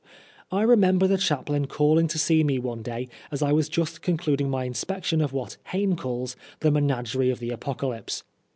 I remember the chaplain calling to see me one day as I was just concluding my inspection of what Heine calls the menagerie of the Apocalypse.